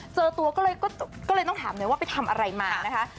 เจอตัวก็เลยต้องถามหน่อยว่าไปทำอะไรมานะคะ